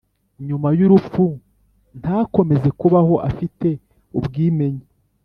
nyuma y’urupfu ntakomeza kubaho afite ubwimenye.